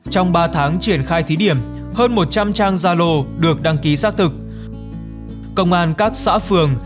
trong ba tháng triển khai thí điểm hơn một trăm linh trang gia lô được đăng ký xác thực công an các xã phường